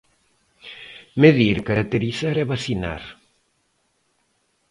Medir, caracterizar e vacinar.